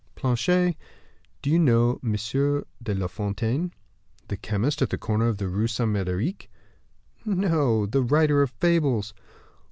"Planchet, do you know M. La Fontaine?" "The chemist at the corner of the Rue Saint Mederic?" "No, the writer of fables."